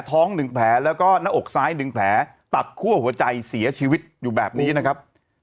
๑แผลแล้วก็หน้าอกซ้าย๑แผลตัดคั่วหัวใจเสียชีวิตอยู่แบบนี้นะครับ